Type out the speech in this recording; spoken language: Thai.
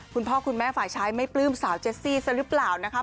คุณพ่อคุณแม่ฝ่ายชายไม่ปลื้มสาวเจสซี่ซะหรือเปล่านะคะ